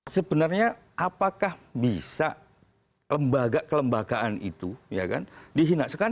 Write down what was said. sebenarnya apakah bisa lembaga kelembagaan itu dihinaskan